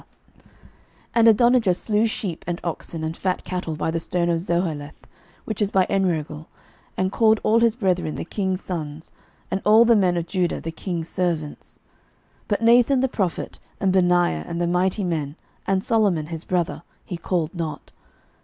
11:001:009 And Adonijah slew sheep and oxen and fat cattle by the stone of Zoheleth, which is by Enrogel, and called all his brethren the king's sons, and all the men of Judah the king's servants: 11:001:010 But Nathan the prophet, and Benaiah, and the mighty men, and Solomon his brother, he called not.